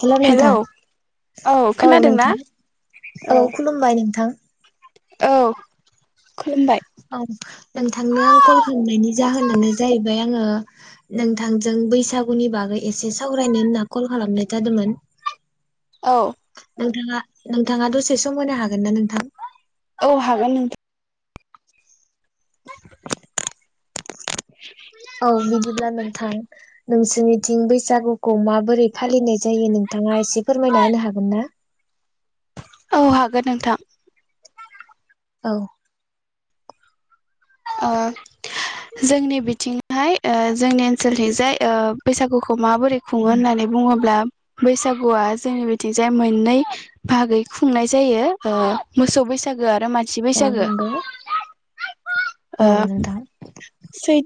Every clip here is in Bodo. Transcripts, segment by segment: हेलौ नोंथां औ खोनादों ना? नोंथां औ खुलुमबाय नोंथां। औ खुलुमबाय औ नोंथांनो आं कल खालामनायनि जाहोनानो जाहैबाय, आङो नोंथांजों बैसागुनि बागै एसे सावरायनो होनना कल खालामनाय जादोंमोन, औ नोंथाङा नोंथाङा दसे सम होनो हागोन ना नोंथां? औ हागोन नोंथां, औ बिदिब्ला नोंथां नोंसोरनिथिं बैसागुखौ माबोरै फालिनाय जायो नोंथाङा एसे फोरमायना होनो हागोन ना? औ हागोन नोंथां, औ ओ जोंनि बिथिंहाय ओ जोंनि ओनसोलथिंजाय ओ बैसागु खौ माबोरै खुङो होननानै बुङोब्ला, बैसागुआ जोंनि बिथिंजाय मोननै बाहागै खुंनाय जायो ओ मोसौ बैसागोआ आरो मानसि औ बैसागो, नंगौ औ ओ नोंथां सै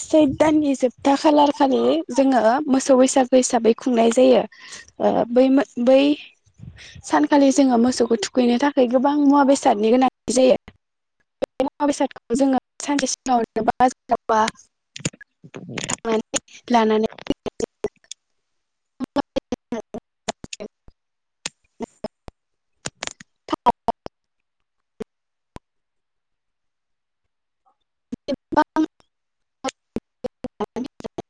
सैथ दाननि जोबथा खालारखालि जोङो मोसौ बैसागु हिसाबै खुंनाय जायो ओ बै मो बै सानखालि जोङो मोसौखौ थुखैनो थाखाय गोबां मुवा बेसादनि गोनांथि जायो बे मुवा बेसादखौ जोङो सानसे सिगाङावबा जेनबा थांनानै लानानै [unintelligible] [unintelligible]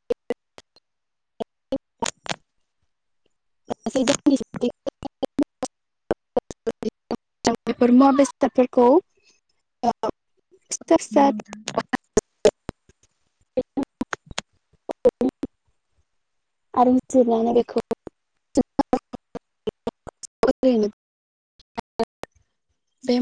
[unintelligible] बेफोर मुवा बेसादफोरखौ [unintelligible] नंगौ फिसा नोंथां [unintelligible] बे